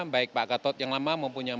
baik pak katot yang lama mempunyai